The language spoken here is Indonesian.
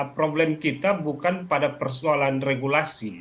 problem kita bukan pada persoalan regulasi